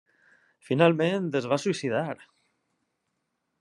Finalment es va suïcidar.